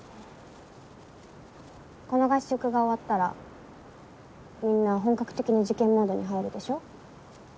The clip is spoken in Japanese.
この合宿が終わったらみんな本格的に受験モードに入るでしょ？